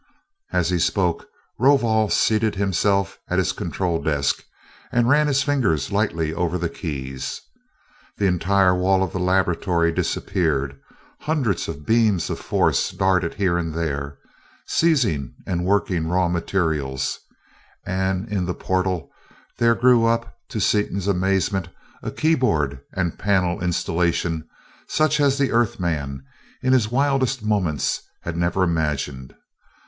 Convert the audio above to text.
As he spoke, Rovol seated himself at his control desk and ran his fingers lightly over the keys. The entire wall of the laboratory disappeared, hundreds of beams of force darted here and there, seizing and working raw materials, and in the portal there grew up, to Seaton's amazement, a keyboard and panel installation such as the Earth man, in his wildest moments, had never imagined.